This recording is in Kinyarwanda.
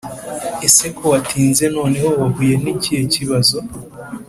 Ese ko watinze noneho wahuye nikihe kibazo